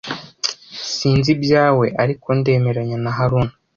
Sinzi ibyawe, ariko ndemeranya na Haruna.